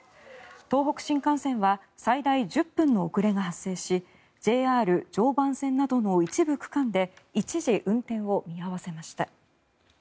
東北新幹線は最大１０分の遅れが発生しＪＲ常磐線などの一部区間で一時、運転を見合わせました。